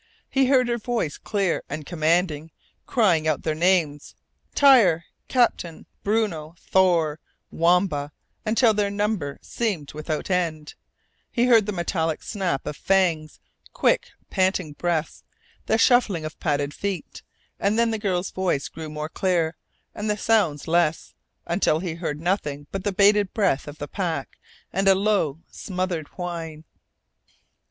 He heard her voice clear and commanding, crying out their names Tyr, Captain, Bruno, Thor, Wamba until their number seemed without end; he heard the metallic snap of fangs, quick, panting breaths, the shuffling of padded feet; and then the girl's voice grew more clear, and the sounds less, until he heard nothing but the bated breath of the pack and a low, smothered whine.